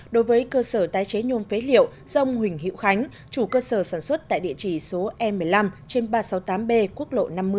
đối với cơ sở tái chế nhôm phế liệu do ông huỳnh hiệu khánh chủ cơ sở sản xuất tại địa chỉ số e một mươi năm trên ba trăm sáu mươi tám b quốc lộ năm mươi